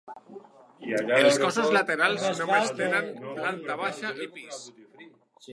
Els cossos laterals només tenen planta baixa i pis.